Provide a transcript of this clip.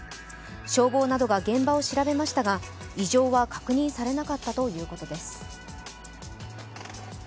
消防などが現場を調べましたが、異常は確認されなかったということです。